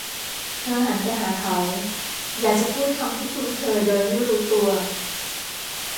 เธอหันไปหาเขา; อยากจะพูดคำที่คุ้นเคยโดยไม่รู้ตัว